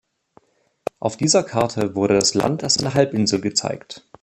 Auf dieser Karte wurde das Land als eine Halbinsel gezeigt.